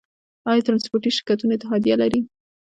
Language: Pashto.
آیا ټرانسپورټي شرکتونه اتحادیه لري؟